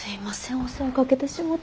お世話かけてしもて。